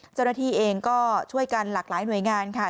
เจ้าหน้าที่เองก็ช่วยกันหลากหลายหน่วยงานค่ะ